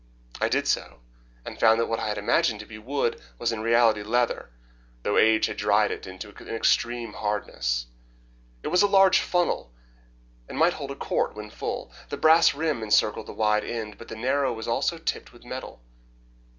I did so, and found that what I had imagined to be wood was in reality leather, though age had dried it into an extreme hardness. It was a large funnel, and might hold a quart when full. The brass rim encircled the wide end, but the narrow was also tipped with metal.